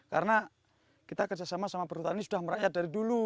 karena kita kerjasama sama perhutani sudah merakyat dari dulu